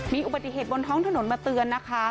มีอุบัติเหตุบนท้องถนนมาเตือนนะคะ